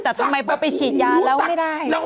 แต่ทำไมพอไปฉีดยาแล้วไม่ได้